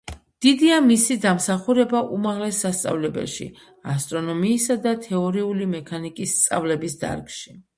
დიდია მისი დამსახურება უმაღლეს სასწავლებლებში ასტრონომიისა და თეორიული მექანიკის სწავლების დარგში.